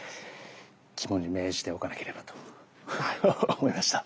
肝に銘じておかなければと思いました。